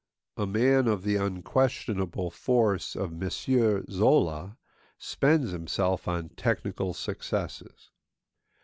A man of the unquestionable force of M. Zola spends himself on technical successes.